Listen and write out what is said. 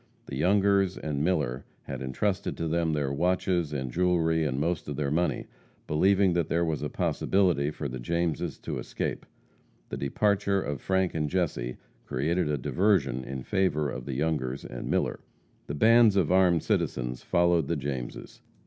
The Youngers and Miller had entrusted to them their watches and jewelry and most of their money, believing that there was a possibility for the Jameses to escape. The departure of Frank and Jesse created a diversion in favor of the Youngers and Miller. The bands of armed citizens followed the Jameses.